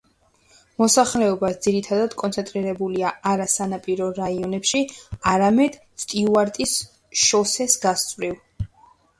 მოსახლეობა ძირითადად კონცენტრირებულია არა სანაპირო რაიონებში, არამედ სტიუარტის შოსეს გასწვრივ.